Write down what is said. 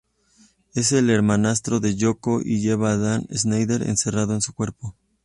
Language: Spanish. Es el hermanastro de Yoko y lleva a Dark Schneider encerrado en su cuerpo.